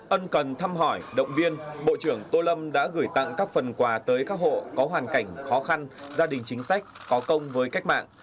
ân cần thăm hỏi động viên bộ trưởng tô lâm đã gửi tặng các phần quà tới các hộ có hoàn cảnh khó khăn gia đình chính sách có công với cách mạng